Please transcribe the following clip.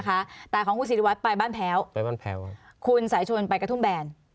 แต่ของคุณศิริวัตรไปบ้านแพ้วไปบ้านแพ้วคุณสายชวนไปกระทุ่มแบน